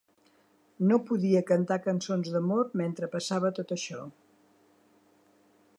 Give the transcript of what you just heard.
No podia cantar cançons d’amor mentre passava tot això.